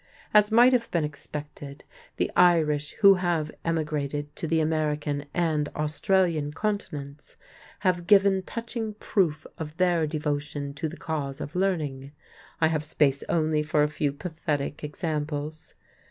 As might have been expected, the Irish who have emigrated to the American and Australian continents have given touching proof of their devotion to the cause of learning. I have space only for a few pathetic examples.